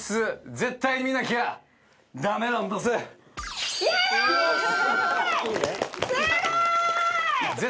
絶対見なきゃダメなんだぜ。